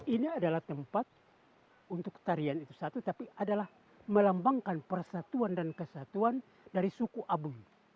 ini adalah tempat untuk tarian itu satu tapi adalah melambangkan persatuan dan kesatuan dari suku abu